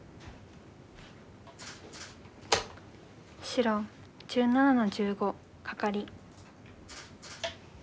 白１７の十五カカリ。